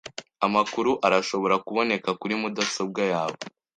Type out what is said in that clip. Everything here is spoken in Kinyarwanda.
Amakuru arashobora kuboneka kuri mudasobwa yawe.